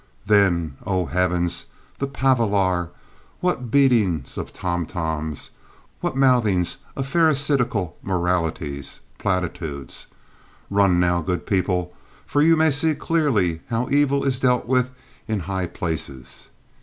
Then, O Heavens, the palaver! What beatings of tom toms! What mouthings of pharisaical moralities—platitudes! Run now, good people, for you may see clearly how evil is dealt with in high places!